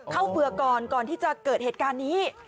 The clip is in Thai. เบื่อก่อนก่อนที่จะเกิดเหตุการณ์นี้